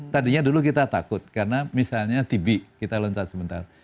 tadinya dulu kita takut karena misalnya tb kita loncat sebentar